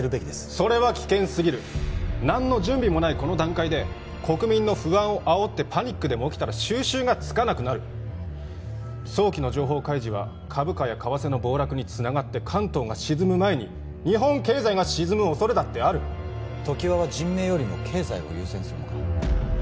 それは危険すぎる何の準備もないこの段階で国民の不安をあおってパニックでも起きたら収拾がつかなくなる早期の情報開示は株価や為替の暴落につながって関東が沈む前に日本経済が沈むおそれだってある常盤は人命よりも経済を優先するのか？